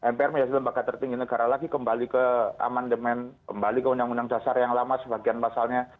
mpr menjadi lembaga tertinggi negara lagi kembali ke amandemen kembali ke undang undang dasar yang lama sebagian pasalnya